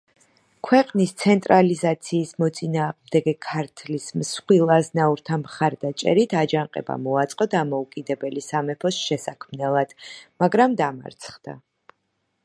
ქვეყნის ცენტრალიზაციის მოწინააღმდეგე ქართლის მსხვილ აზნაურთა მხარდაჭერით აჯანყება მოაწყო დამოუკიდებელი სამეფოს შესაქმნელად, მაგრამ დამარცხდა.